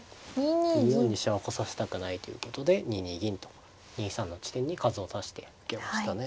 ２四に飛車を来させたくないということで２二銀と２三の地点に数を足して受けましたね。